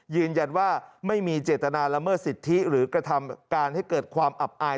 ยืนยันว่าไม่มีเจตนาละเมิดสิทธิหรือกระทำการให้เกิดความอับอาย